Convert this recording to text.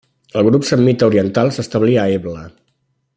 El grup semita oriental s'establí a Ebla.